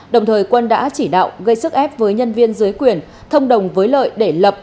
đồng thời quân đã chỉ đạo gây sức ép với nhân viên dưới quyền thông đồng với lợi để lập